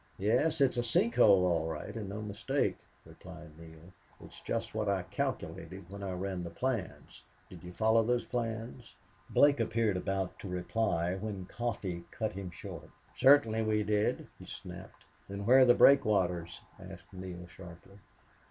"Yes, it's a sink hole, all right, and no mistake," replied Neale. "It's just what I calculated when I ran the plans.... Did you follow those plans?" Blake appeared about to reply when Coffee cut him short "Certainly we did," he snapped. "Then where are the breakwaters?" asked Neale, sharply.